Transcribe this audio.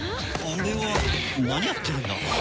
あれは何やってるんだ？